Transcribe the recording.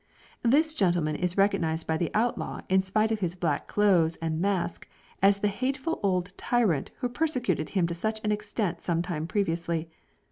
This gentleman is recognized by the outlaw in spite of his black clothes and mask, as the hateful old tyrant who persecuted him to such an extent some time previously.